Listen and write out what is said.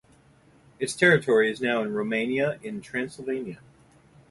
Its territory is now in Romania in Transylvania.